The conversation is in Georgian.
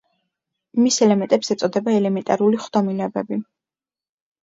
მის ელემენტებს ეწოდება ელემენტარული ხდომილებები.